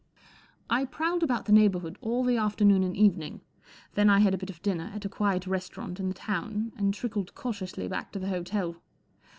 I prowled about the neighbourhood all the afternoon and evening, then I had a bit of dinner at a quiet restaurant in the town and trickled cautiously back to the hotel.